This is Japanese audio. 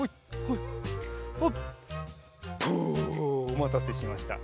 おまたせしました。